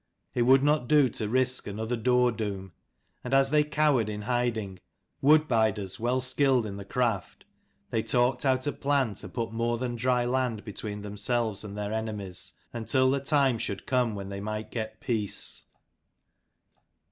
It would not do to risk another door doom ; and as they cowered in hiding wood biders well skilled in the craft they talked out a plan to put more than dry land between themselves and their enemies, until the time should come when they might get peace.